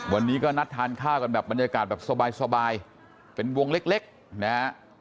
วันนี้ก็นัดทานข้าวกันแบบบรรยากาศแบบสบายเป็นวงเล็กนะฮะ